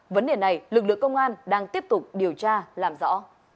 vấn đề này lực lượng công an đang tiếp tục điều tra làm rõ